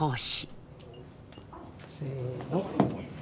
せの！